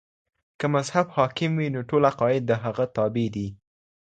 که مذهب حاکم وي نو ټول عقايد د هغه تابع دي.